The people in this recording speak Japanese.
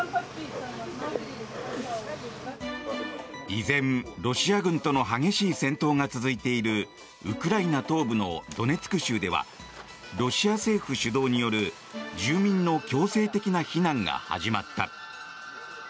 依然、ロシア軍との激しい戦闘が続いているウクライナ東部のドネツク州ではロシア政府主導による住民の強制的な避難が始まった。